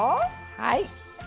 はい。